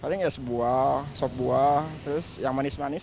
paling es buah sop buah terus yang manis manis